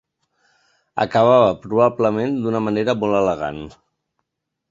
Acabava, probablement d'una manera molt elegant.